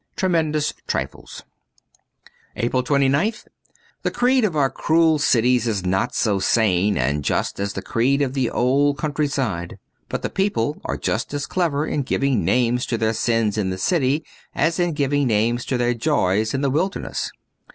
' Tremendous Trifles.'* 128 APRIL 29th THE creed of our cruel cities is not so sane and just as the creed of the old country side ; but the people are just as clever in giving names to their sins in the city as in giving names to their joys in the wilderness.